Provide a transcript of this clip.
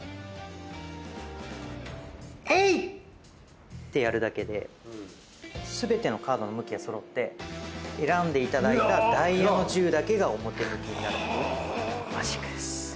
えい！ってやるだけで全てのカードの向きが揃って選んでいただいたダイヤの１０だけが表向きになるというマジックです。